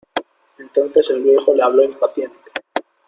entonces el viejo le habló impaciente: